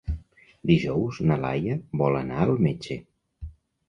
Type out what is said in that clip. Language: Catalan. Dijous na Laia vol anar al metge.